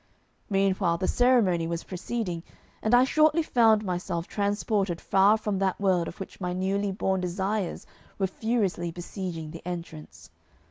Meanwhile the ceremony was proceeding, and I shortly found myself transported far from that world of which my newly born desires were furiously besieging the entrance.